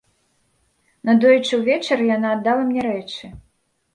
Надоечы ўвечары яна аддала мне рэчы.